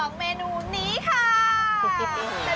เมนูนี้ค่ะ